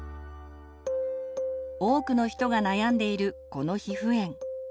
多くの人が悩んでいるこの皮膚炎。